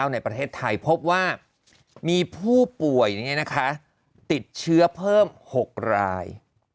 ในประเทศไทยพบว่ามีผู้ป่วยติดเชื้อเพิ่ม๖ราย